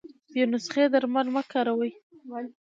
بې نسخي درمل مه کاروی